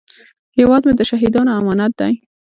هیواد مې د شهیدانو امانت دی